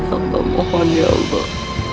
allah mohon ya allah